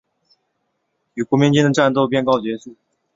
与国民军的战斗便告结束。